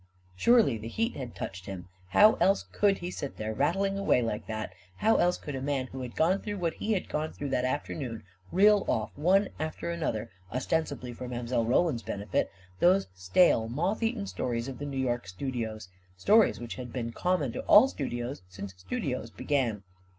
Surely the heat had touched him — how else could he sit there rattling away like that — how else could a man who had gone through what he had gone through that afternoon reel off, one after another, ostensibly for Mile. Roland's benefit, those stale, moth eaten stories of the New York studios — stories which had been common to all studios since studios began!